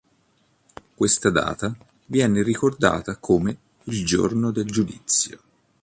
Questa data viene ricordata come "Il Giorno del Giudizio".